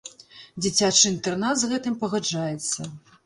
Дзіцячы інтэрнат з гэтым пагаджаецца.